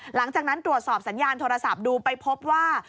หลังจากนั้นตรวจสอบสัญญาณโทรศัพท์ดูไปพบว่า